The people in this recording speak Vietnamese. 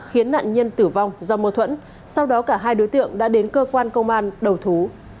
khiến nạn nhân tử vong do mâu thuẫn sau đó cả hai đối tượng đã đến cơ quan công an đầu thú